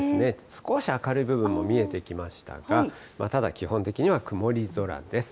少し明るい部分も見えてきましたが、ただ基本的には曇り空です。